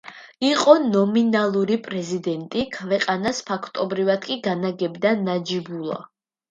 იყო ნომინალური პრეზიდენტი, ქვეყანას ფაქტობრივად კი განაგებდა ნაჯიბულა.